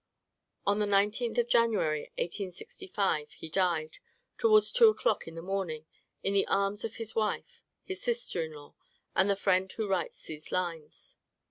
On the 19th of January, 1865, he died, towards two o'clock in the morning, in the arms of his wife, his sister in law, and the friend who writes these lines....